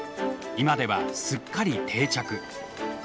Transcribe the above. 今ではすっかり定着。